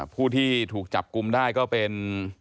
ผู้ที่ถูกจับกลุ่มได้ก็เป็น